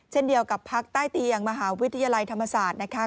เช่นเดียวกับภาคใต้เตียงมหาวิทยาลัยธรรมศาสตร์นะคะ